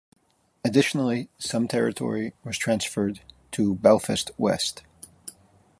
Additionally some territory was transferred to Belfast West.